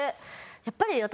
やっぱり私。